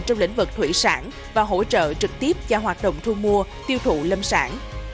trong lĩnh vực thủy sản và hỗ trợ trực tiếp cho hoạt động thu mua tiêu thụ lâm sản